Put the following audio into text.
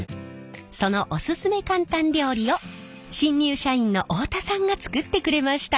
そのオススメ簡単料理を新入社員の大田さんが作ってくれました。